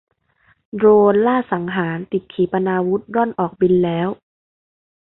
โดรนล่าสังหารติดขีปนาวุธร่อนออกบินแล้ว